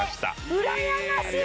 うらやまし過ぎ！